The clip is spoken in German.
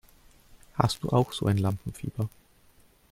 Hast du auch so ein Lampenfieber?